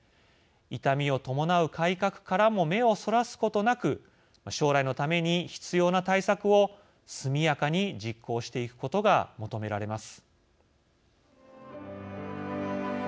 痛みを伴う改革からも目をそらすことなく将来のために必要な対策を速やかに実行していくことが求められます。